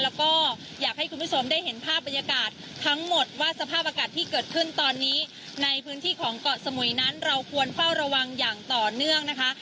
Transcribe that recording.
แล้วก็อยากให้คุณผู้ชมได้เห็นภาพบรรยากาศทั้งหมดว่าสภาพอากาศที่เกิดขึ้นตอนนี้ในพื้นที่ของเกาะสมุยนั้นเราควรเฝ้าระวังอย่างต่อเนื่องนะคะ